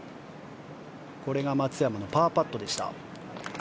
これが松山のパーパットでした。